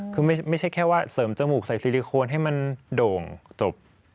คือไม่ใช่แค่ว่าเสริมจมูกใส่ซิลิโคนให้มันโด่งจบ